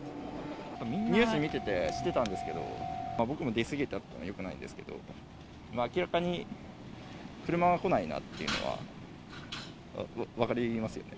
ニュース見てて知ってたんですけど、僕も出過ぎたのはよくないんですけど、明らかに車が来ないなっていうのは、分かりますよね。